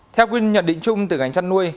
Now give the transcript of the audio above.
theo quyên nhận định chung từ ngành chăn nuôi